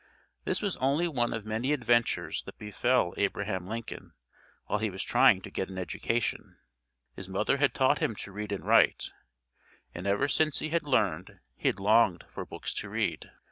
This was only one of many adventures that befell Abraham Lincoln while he was trying to get an education. His mother had taught him to read and write, and ever since he had learned he had longed for books to read.